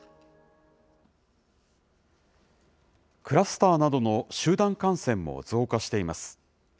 クラスターなどの集団感染も増加しています。